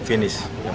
ini sudah selesai